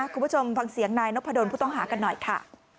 คุณผู้ชมฟังเสียงนายนพดลผู้ต้องหากันหน่อยค่ะ